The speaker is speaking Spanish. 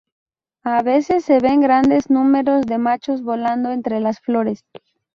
A veces se ven grandes números de machos volando entre las flores.